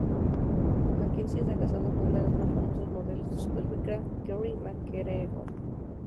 McKenzie está casado con una de las más famosas modelos de Sudáfrica, Kerry McGregor.